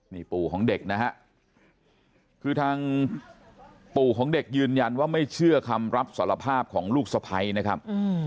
นี่ปู่ของเด็กนะฮะคือทางปู่ของเด็กยืนยันว่าไม่เชื่อคำรับสารภาพของลูกสะพ้ายนะครับ